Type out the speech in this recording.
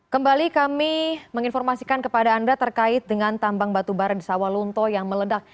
kembali kami menginformasikan kepada anda terkait dengan tambang batubara di sawalunto yang meledak